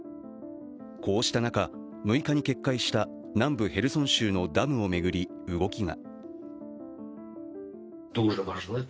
こうした中、６日に決壊した南部ヘルソン州のダムを巡り動きが。